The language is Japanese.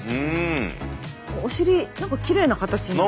お尻何かきれいな形に。